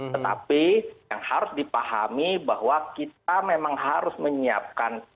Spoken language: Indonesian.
tetapi yang harus dipahami bahwa kita memang harus menyiapkan